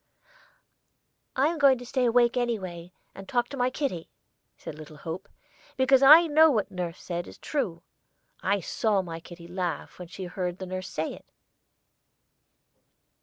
"I'm going to stay awake anyway, and talk to my kitty," said little Hope, "because I know what nurse said is true. I saw my kitty laugh when she heard nurse say it."